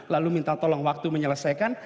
lalu minta tolong waktu menyelesaikan